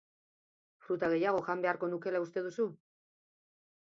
Fruta gehiago jan beharko nukeela uste duzu?